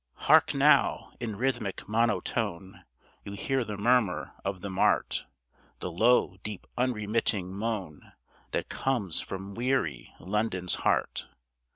Hark now! In rhythmic monotone, You hear the murmur of the mart, The low, deep, unremitting moan, That comes from weary London's heart.